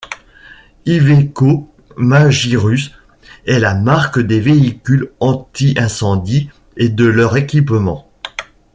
Iveco Magirus est la marque des véhicules anti-incendie et de leurs équipements.